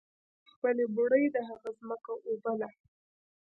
اکا به له خپلې بوړۍ د هغه ځمکه اوبوله.